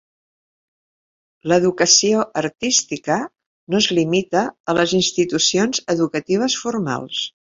L'educació artística no es limita a les institucions educatives formals.